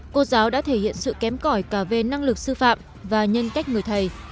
cô giáo đã thể hiện sự kém cõi cả về năng lực sư phạm và nhân cách người thầy